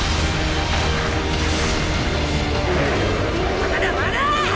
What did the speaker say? まだまだァ！